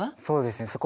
そうですね。